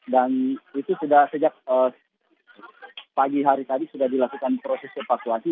dan itu sudah sejak pagi hari tadi sudah dilakukan proses evakuasi